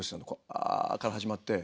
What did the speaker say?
「ア」から始まって。